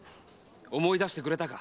思い出してくれたか。